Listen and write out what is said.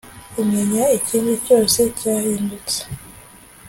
kumenya ikindi cyose cyahindutse